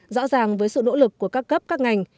rõ ràng với sự nỗ lực của các cấp các ngành